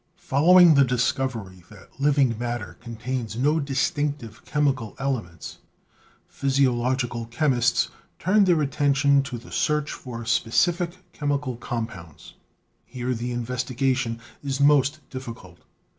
Following the discovery that living matter contains no distinctive chemical elements, physiological chemists turned their attention to the search for specific chemical compounds. Here the investigation is most difficult.